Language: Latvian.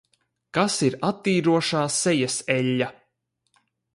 Kas ir attīrošā sejas eļļa?